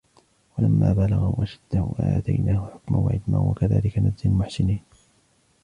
ولما بلغ أشده آتيناه حكما وعلما وكذلك نجزي المحسنين